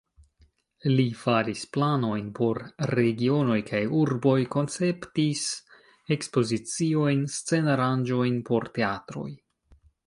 Li faris planojn por regionoj kaj urboj, konceptis ekspoziciojn, scen-aranĝojn por teatroj.